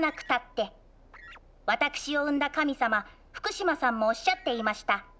私を生んだ神様福島さんもおっしゃっていました。